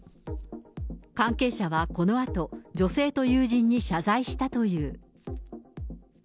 関係者はこのあと、女性と友人に謝罪したという。